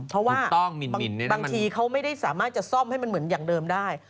เพราะว่าบางทีเขาไม่ได้สามารถจะซ่อมให้มันเหมือนอย่างเดิมได้